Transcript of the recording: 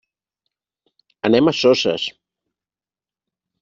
Anem a Soses.